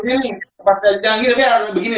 tapi harus begini